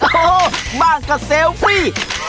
โอ้โหบ้านก็เซลฟี่